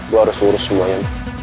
luar es urus semua ya